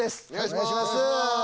お願いします。